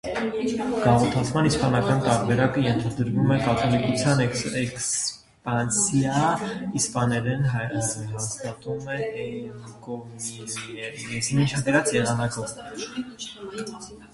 Գաղութացման իսպանական տարբերակը ենթադրում էր կաթոլիկության էքսպանսիա, իսպաներենի հաստատում էնկոմիենդայի եղանակով։